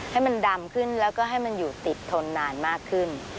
ให้มันดำขึ้นแล้วก็ให้มันอยู่ติดทนนานมากขึ้น